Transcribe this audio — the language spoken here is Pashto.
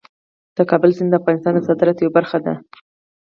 د کابل سیند د افغانستان د صادراتو یوه برخه ده.